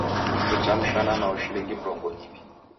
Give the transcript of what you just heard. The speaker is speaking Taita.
Nichamshana mao shilingi mirongo iw'i.